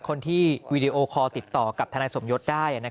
คนที่วีดีโอคอลติดต่อกับทนายสมยศได้